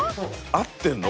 合ってんの？